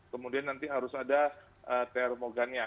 kemudian nanti harus ada termogannya